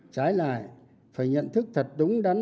trái lại phải nhận thức thật đúng đáng